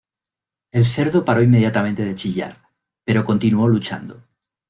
El cerdo paró inmediatamente de chillar, pero continuó luchando.